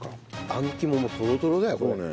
あん肝もトロトロだよこれ。